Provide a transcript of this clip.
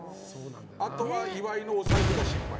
あとは岩井のお財布が心配。